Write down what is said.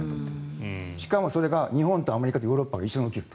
しかも、それが日本とアメリカとヨーロッパが一緒に起きると。